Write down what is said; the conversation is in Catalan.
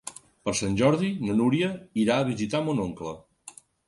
Per Sant Jordi na Núria irà a visitar mon oncle.